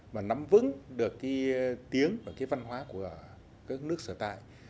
mà nắm vững được cái tiếng và cái văn hóa của các nước sở tại